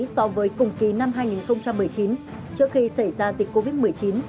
so với cùng kỳ năm hai nghìn một mươi chín trước khi xảy ra dịch covid một mươi chín